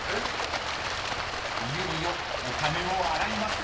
［いよいよお金を洗います］